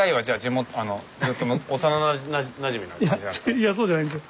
いやそうじゃないんですよ。